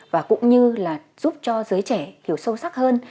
và cũng như là giúp cho giới trẻ hiểu sâu sắc hơn